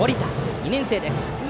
２年生です。